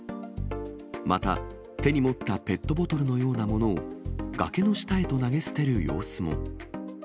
また、手に持ったペットボトルのようなものを崖の下へと投げ捨てる様子も。